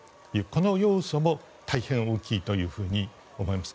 この要素も大変大きいと思います。